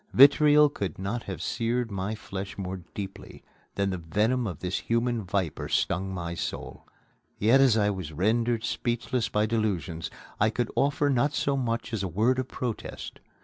Vitriol could not have seared my flesh more deeply than the venom of this human viper stung my soul! Yet, as I was rendered speechless by delusions, I could offer not so much as a word of protest.